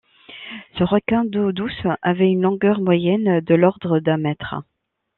Ce requin d'eau douce avait une longueur moyenne de l'ordre d'un mètre.